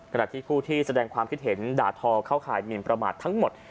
ขณะที่ผู้ที่แสดงความคิดเห็นด่าทอเข้าข่ายหมินประมาททั้งหมด